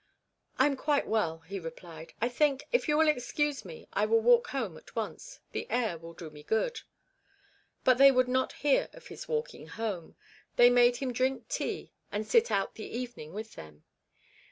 'I am quite well,' he replied. 'I think, if you will excuse me, I will walk home at once; the air will do me good.' But they would not hear of his walking home. They made him drink tea and sit out the evening with them.